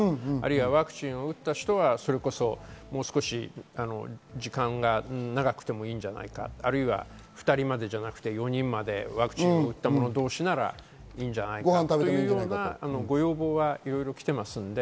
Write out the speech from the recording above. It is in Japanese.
ワクチンを打った人はもう少し時間が長くてもいいんじゃないか、２人よりかは４人までワクチンを打ったもの同士ならいいんじゃないかというようなご要望はいろいろきています。